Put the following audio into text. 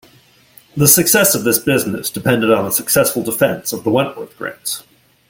The success of this business depended on the successful defense of the Wentworth grants.